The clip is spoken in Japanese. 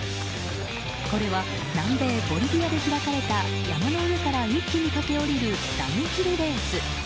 これは南米ボリビアで開かれた山の上から一気に駆け下りるダウンヒルレース。